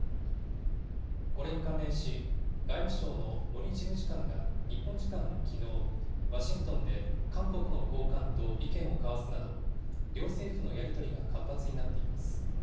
これに関連し、外務省の森事務次官が日本時間のきのう、ワシントンで韓国の高官と意見を交わすなど、両政府のやり取りが活発になっています。